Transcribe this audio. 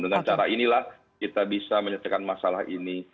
dengan cara inilah kita bisa menyelesaikan masalah ini